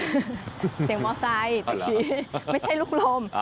เสียงมอไซค์ไม่ใช่ลูกลม